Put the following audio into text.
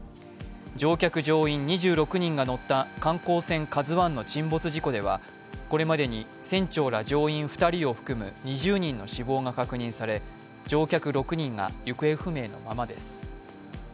乗客・乗員２６人が乗った観光船「ＫＡＺＵⅠ」の沈没事故ではこれまでに船長ら乗員２人を含む２０人の死亡が確認され乗客６人が行方不明のままです。